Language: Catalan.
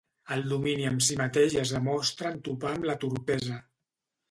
El domini de si mateix es demostra en topar amb la torpesa.